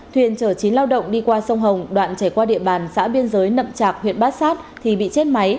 thuyền chở chín lao động đi qua sông hồng đoạn chảy qua địa bàn xã biên giới nậm trạc huyện bát sát thì bị chết máy